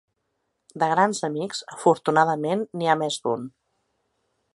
De grans amics afortunadament n’hi ha més d’un.